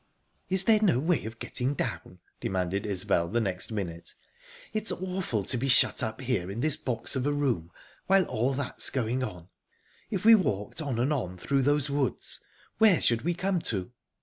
"Is there no way of getting down?" demanded Isbel, the next minute. "It's awful to be shut up here in this box of a room while all that's going on...If we walked on and on through those woods, where should we come to?"